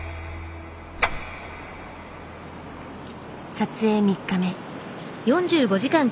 撮影３日目。